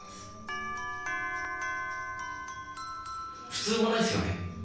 普通産まないっすよね？